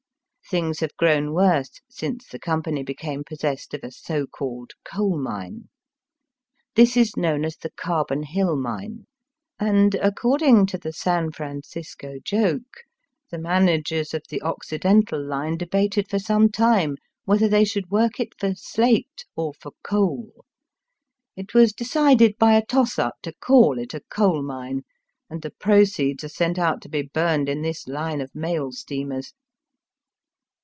Things have grown worse since the company became pos sessed of a so called coal mine. This is known as the Carbon Hill Mine, and, according to the San Francisco joke, the managers of the Occidental Line debated for some time whether they should work it for slate or for coal. It was decided by a toss up to call it a coal mine, and the proceeds are sent out to be burned in this line of mail steamers.